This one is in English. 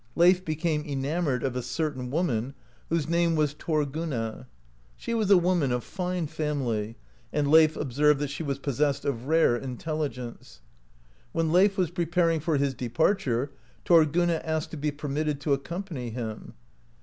Leif became enamored of a certain woman, whose name was Thorgunna. She was a woman of fine family, and Leif observed that she was possessed of rare intelligence (33) : When Leif was pre paring for his departure Thorgunna (34) asked to be permitted to accompany him.